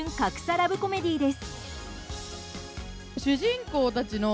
ラブコメディーです。